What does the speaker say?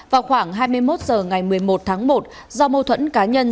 vào khoảng hai mươi một h ngày một mươi một tháng một do mâu thuẫn cá nhân